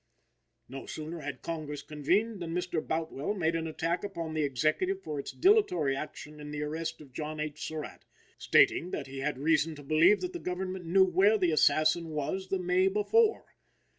No sooner had Congress convened than Mr. Boutwell made an attack upon the Executive for its dilatory action in the arrest of John H. Surratt, stating that he had reason to believe that the Government knew where the assassin was the May before.